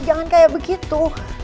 jangan kayak begitu